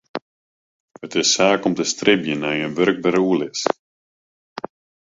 It is saak om te stribjen nei in wurkber oerlis.